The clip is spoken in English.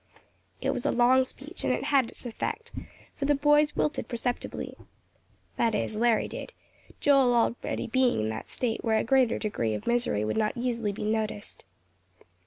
It was a long speech, and it had its effect, for the boys wilted perceptibly. That is, Larry did; Joel already being in that state where a greater degree of misery would not easily be noticed.